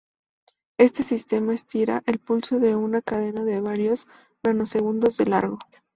Este sistema "estira" el pulso en una cadena de varios nanosegundos de largo.